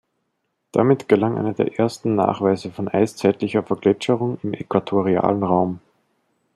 Damit gelang einer der ersten Nachweise von eiszeitlicher Vergletscherung im äquatorialen Raum.